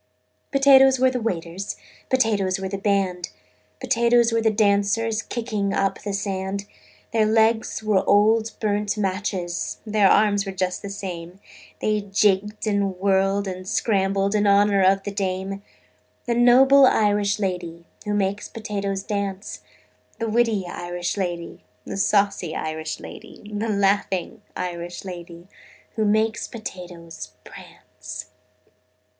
"Potatoes were the waiters, Potatoes were the band, Potatoes were the dancers Kicking up the sand: Their legs were old burnt matches, Their arms were just the same, They jigged and whirled and scrambled In honor of the dame: The noble Irish lady Who makes potatoes dance, The witty Irish lady, The saucy Irish lady, The laughing Irish lady Who makes potatoes prance.